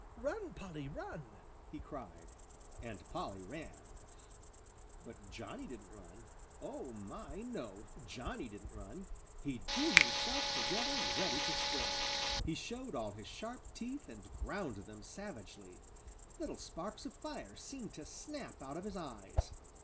"Run, Polly, run!" he cried, and Polly ran. But Johnny didn't run. Oh, my, no! Johnny didn't run. He drew himself together ready to spring. He showed all his sharp teeth and ground them savagely. Little sparks of fire seemed to snap out of his eyes.